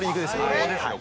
ここですよ